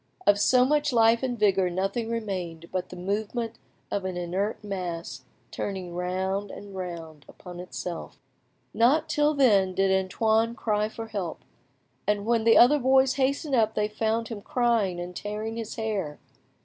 Of so much life and vigour nothing remained but the movement of an inert mass turning round and round upon itself. Not till then did Antoine cry for help, and when the other boys hastened up they found him crying and tearing his hair.